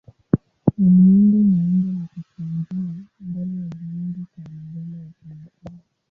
Waliunda maumbo na kukwangua ndani ya viungu kwa magamba ya konokono.